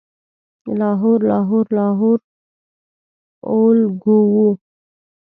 لاهور، لاهور، لاهور اولګوو